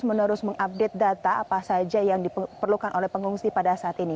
jadi saya menerus mengupdate data apa saja yang diperlukan oleh pengungsi pada saat ini